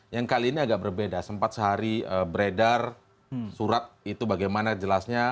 yang kali ini agak berbeda sempat sehari beredar surat itu bagaimana jelasnya